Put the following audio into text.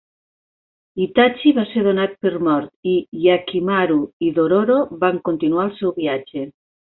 Itachi va ser donat per mort, i Hyakkimaru i Dororo van continuar el seu viatge.